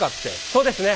そうですね。